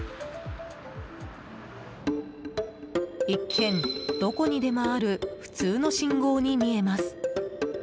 一見、どこにでもある普通の信号に見えます。